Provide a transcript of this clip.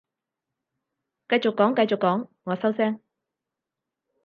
繼續講繼續講，我收聲